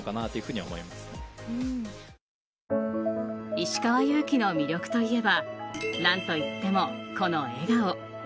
石川祐希の魅力といえば何といってもこの笑顔。